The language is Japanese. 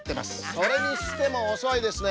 それにしてもおそいですね。